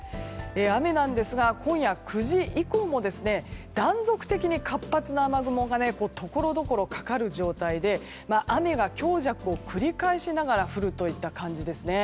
雨ですが今夜９時以降も断続的に活発な雨雲がところどころかかる状態で雨が強弱を繰り返しながら降るといった感じですね。